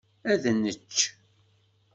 Ad nečč.